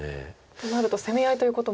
となると攻め合いということも。